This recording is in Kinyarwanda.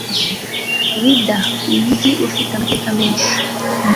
Ouidah umujyi ufiteamateka menshi